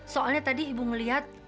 soalnya tadi ibu ngeliat